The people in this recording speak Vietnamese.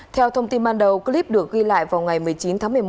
theo thông tin ban đầu clip được ghi lại vào ngày một mươi chín tháng một mươi một